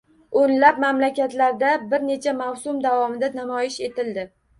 O’nlab mamlakatlarda bir necha mavsum davomida namoyish etildi.